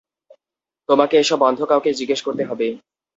তোমাকে এসব অন্ধ কাউকে জিজ্ঞেস করতে হবে।